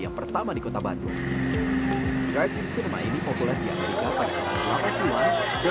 yang pertama di kota bandung driving cinema ini populer di amerika pada tahun dua ribu satu dan